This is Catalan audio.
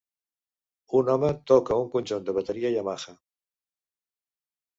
Un home toca un conjunt de bateria Yamaha.